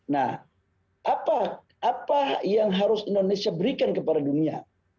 nah apa yang harus indonesia berikan kepada dunia